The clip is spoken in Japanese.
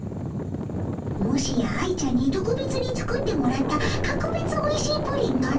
もしや愛ちゃんにとくべつに作ってもらったかくべつおいしいプリンかの？